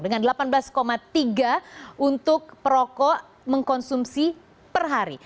dengan delapan belas tiga untuk perokok mengkonsumsi per hari